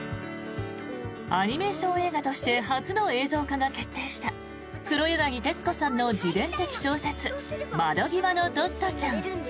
アニメーション映画として初の映像化が決定した黒柳徹子さんの自伝的小説「窓ぎわのトットちゃん」。